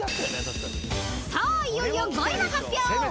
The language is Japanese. ［さあいよいよ５位の発表］